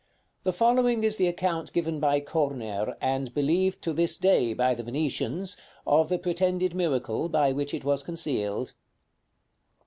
The following is the account given by Corner, and believed to this day by the Venetians, of the pretended miracle by which it was concealed.